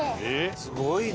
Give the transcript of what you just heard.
すごいな！